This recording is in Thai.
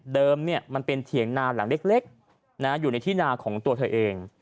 มันเป็นเถียงนาหลังเล็กอยู่ในที่นาของตัวเธอเอง